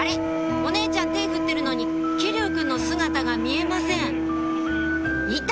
お姉ちゃん手振ってるのに騎琉くんの姿が見えませんいた！